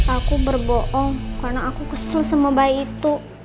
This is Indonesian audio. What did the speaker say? aku berbohong karena aku kesel sama bayi itu